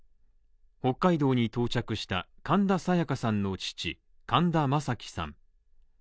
北海道に到着した神田沙也加さんの父神田正輝さん。